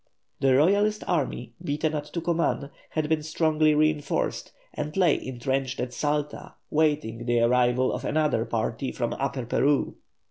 The Royalist army, beaten at Tucuman, had been strongly reinforced, and lay entrenched at Salta, waiting the arrival of another army from Upper Peru.